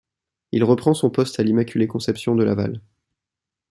Il reprend son poste à l'Immaculée Conception de Laval.